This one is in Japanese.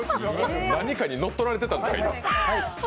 何かに乗っ取られてたんですか、今。